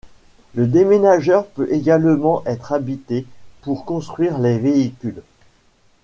Le déménageur peut également être habilité pour conduire les véhicules.